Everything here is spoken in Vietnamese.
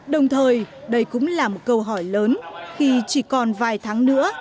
đồng thời đây cũng là một câu hỏi lớn khi chỉ còn vài tháng nữa